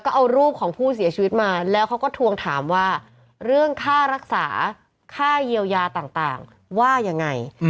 ก็เอารูปของผู้เสียชีวิตมาแล้วเขาก็ทวงถามว่าเรื่องค่ารักษาค่าเยียวยาต่างว่ายังไง